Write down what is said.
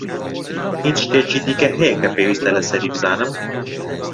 هیچ شتێکی دیکە هەیە کە پێویستە لەسەری بزانم؟